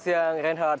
selamat siang reinhardt